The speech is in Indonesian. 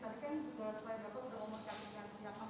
sudah memperhatikan yang menulis dan melihat tanggung jawab